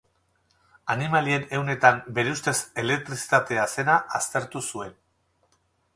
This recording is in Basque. Animalien ehunetan bere ustez elektrizitatea zena aztertu zuen.